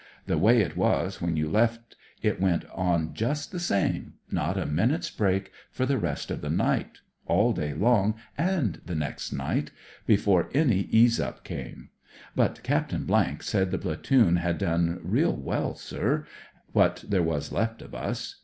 The way it was when you left, it went on just the same— not a minute's break— for the rest of the night, all j day long, and the next night, before 64 CLOSE QUARTERS ;I any ease up came. But Captain said the platoon had done real well, sir, what there was left of us.